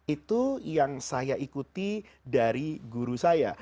itu yang saya ikuti dari guru saya